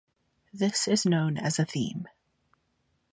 This is known as a theme.